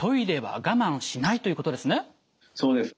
そうです。